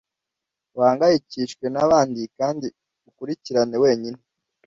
uhangayikishwe nabandi kandi ukurikirane wenyine